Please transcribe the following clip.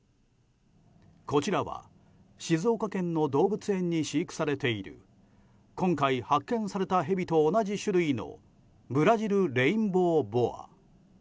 こちらは静岡県の動物園に飼育されている今回発見されたヘビと同じ種類のブラジルレインボーボア。